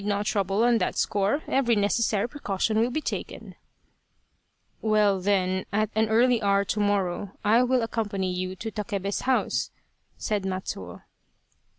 184 Loyal, Even Unto Death trouble on that score, every necessary precaution will be taken." " Well, then at an early hour to morrow I will ac company you to Takebe's house," said Matsuo.